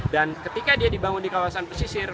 dan ketika dia dibangun di kawasan pesisir